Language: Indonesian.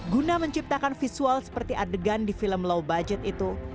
guna menciptakan visual seperti adegan di film low budget itu